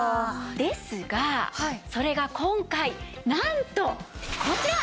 ですがそれが今回なんとこちら！